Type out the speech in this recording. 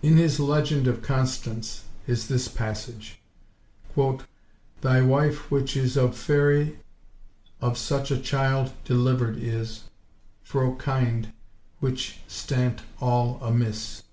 In his Legend of Constance is this passage:— "Thy wife which is of fairie Of suche a childe delivered is, Fro kinde, whiche stante all amis."